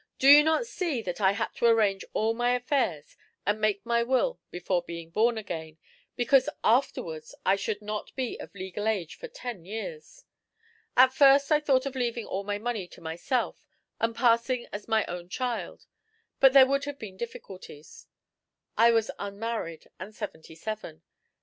"Do you not see that I had to arrange all my affairs and make my will before being born again, because afterwards I should not be of legal age for ten years. At first I thought of leaving all my money to myself and passing as my own child, but there would have been difficulties. I was unmarried and seventy seven.